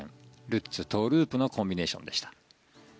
ルッツ、トウループのコンビネーションでした。